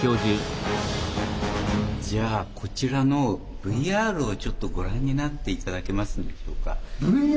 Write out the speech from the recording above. じゃあこちらのＶＲをちょっとご覧になって頂けますでしょうか。